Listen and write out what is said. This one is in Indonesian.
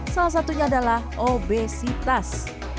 salah satunya adalah obesitas